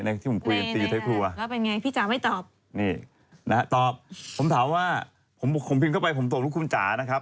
แล้วเป็นไงพี่จ๋าไม่ตอบตอบผมถามว่าผมพิมพ์เข้าไปผมตกลูกคุณจ๋านะครับ